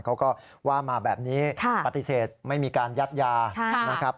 เขาก็ว่ามาแบบนี้ปฏิเสธไม่มีการยัดยานะครับ